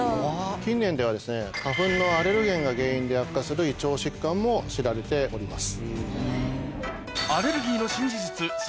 近年では花粉のアレルゲンが原因で悪化する胃腸疾患も知られております。